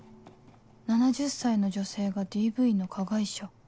７０歳の女性が ＤＶ の加害者？